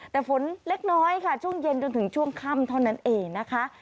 แต่ฝนเล็กน้อยค่ะช่วงเย็นจนถึงช่วงค่ำเท่านั้นเองนะคะ